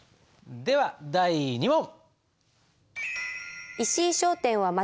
では第２問。